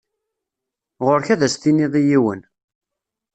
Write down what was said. Ɣuṛ-k ad as-tiniḍ i yiwen.